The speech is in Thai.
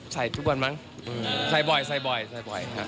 ใส่ทุกวันมั้งใส่บ่อยครับ